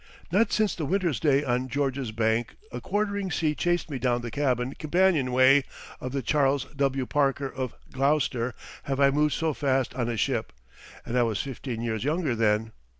Not since the winter's day on George's Bank a quartering sea chased me down the cabin companionway of the Charles W. Parker of Gloucester have I moved so fast on a ship, and I was fifteen years younger then.